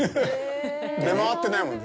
出回ってないもんね。